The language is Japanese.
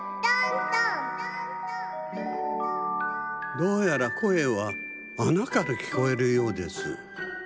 どうやらこえはあなからきこえるようです。